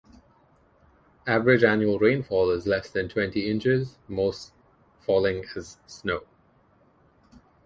Average annual rainfall is less than twenty inches, most falling as snow.